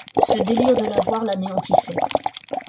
Ce délire de la voir l’anéantissait.